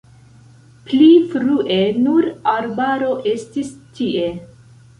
Pli frue nur arbaro estis tie.